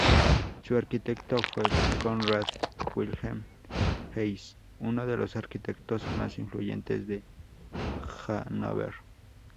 Su arquitecto fue Conrad Wilhelm Hase, uno de los arquitectos más influyentes de Hannover.